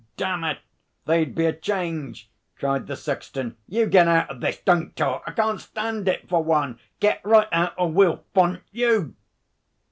'Damn it! They'd be a change,' cried the sexton. 'You get out of this! Don't talk! I can't stand it for one! Get right out, or we'll font you!'